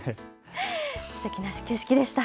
すてきな始球式でした。